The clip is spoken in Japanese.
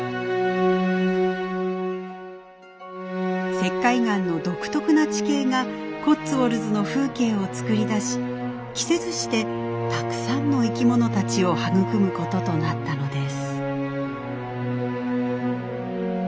石灰岩の独特な地形がコッツウォルズの風景を作り出し期せずしてたくさんの生き物たちを育むこととなったのです。